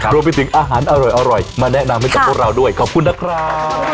รวมไปถึงอาหารอร่อยมาแนะนำให้กับพวกเราด้วยขอบคุณนะครับ